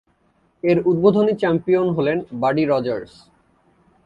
এর উদ্বোধনী চ্যাম্পিয়ন হলেন বাডি রজার্স।